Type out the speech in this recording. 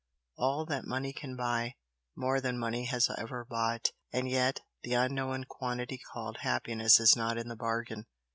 all that money can buy more than money has ever bought! and yet the unknown quantity called happiness is not in the bargain.